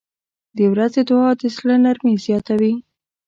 • د ورځې دعا د زړه نرمي زیاتوي.